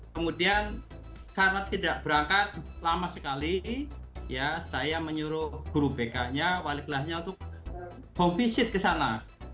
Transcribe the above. kemudian karena tidak berangkat lama sekali saya menyuruh guru bk nya wali kelasnya untuk hobi seat ke sana